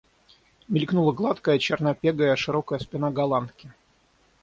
Мелькнула гладкая, чернопегая, широкая спина Голландки.